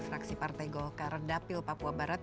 fraksi partai golkar dapil papua barat